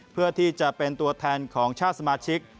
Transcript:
เพื่อที่จะเป็นตัวแทนของชาติสมาชิก